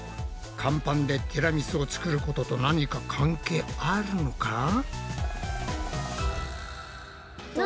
乾パンでティラミスを作ることと何か関係あるのか？